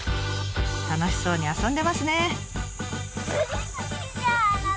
楽しそうに遊んでますね。